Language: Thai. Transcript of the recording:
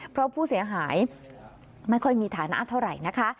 เพราะผู้เสียหายไม่ค่อยมีฐานะเท่าไหร่นะคะ